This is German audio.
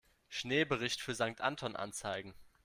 Schneebericht für Sankt Anton anzeigen.